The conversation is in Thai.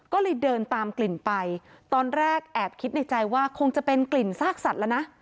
ก็เลยเดินตามกลิ่นไปตอนแรกแอบคิดในใจว่าคงจะเป็นกลิ่นซากสัตว์แล้วนะ